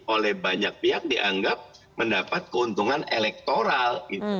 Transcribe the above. oleh banyak pihak dianggap mendapat keuntungan elektoral